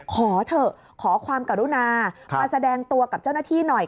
ขอเถอะขอความกรุณามาแสดงตัวกับเจ้าหน้าที่หน่อย